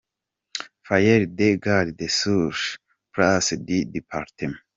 Faire des gardes, sur place du département ;.